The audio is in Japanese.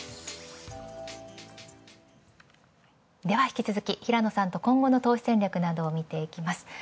では引き続き平野さんと今後の投資戦略などを見ていきます。